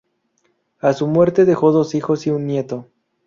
A su muerte dejó dos hijos y un nieto.